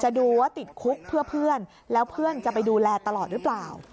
ดูว่าติดคุกเพื่อเพื่อนแล้วเพื่อนจะไปดูแลตลอดหรือเปล่า